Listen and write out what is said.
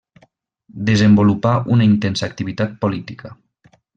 Desenvolupà una intensa activitat política.